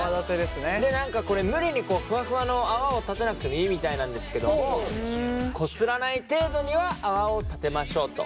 で何かこれ無理にふわふわの泡を立てなくてもいいみたいなんですけどもこすらない程度には泡を立てましょうと。